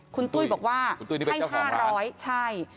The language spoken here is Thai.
คุณตุ้ยบอกว่าให้๕๐๐ใช่